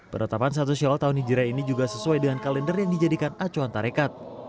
penetapan satu syawal tahun hijrah ini juga sesuai dengan kalender yang dijadikan acuan tarekat